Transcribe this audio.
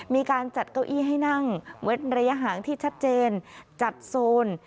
มีการจัดเก้าอี้ให้นั่งเว้นระยะห่างที่ชัดเจนจัดโซน